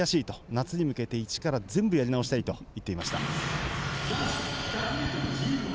夏に向けて一から全部やり直したいと言っていました。